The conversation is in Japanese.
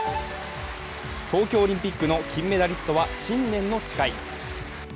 東京オリンピックの金メダリストは新年の誓い。